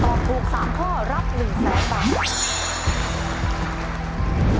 ตอบถุงสามข้อรับ๑๐๐๐๐๐บาท